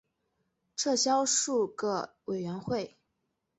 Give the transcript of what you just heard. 撤销数个委员会。